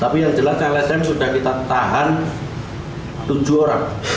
tapi yang jelas lsm sudah kita tahan tujuh orang